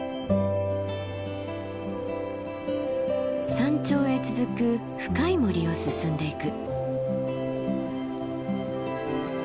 山頂へ続く深い森を進んでゆく。